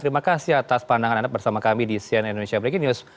terima kasih atas pandangan anda bersama kami di cnn indonesia breaking news